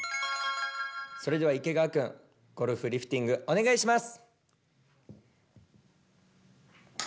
それでは池川くんゴルフリフティングお願いします。